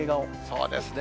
そうですね。